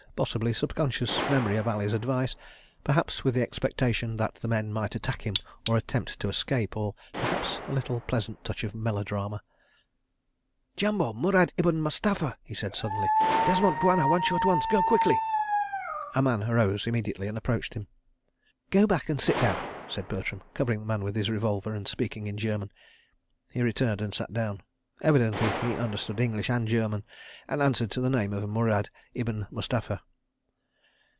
Possibly subconscious memory of Ali's advice, perhaps with the expectation that the men might attack him or attempt to escape; or perhaps a little pleasant touch of melodrama. ... "Jambo, Murad ibn Mustapha!" he said suddenly. "Desmont Bwana wants you at once. Go quickly." A man arose immediately and approached him. "Go back and sit down," said Bertram, covering the man with his revolver and speaking in German. He returned and sat down. Evidently he understood English and German and answered to the name of Murad ibn Mustapha!